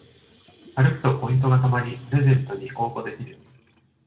歩くとポイントがたまりプレゼントに応募できる